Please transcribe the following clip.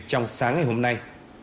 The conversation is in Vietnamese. trong sáng ngày hôm nay